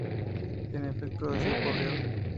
En efecto, así ocurrió.